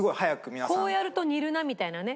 こうやると似るなあみたいなね。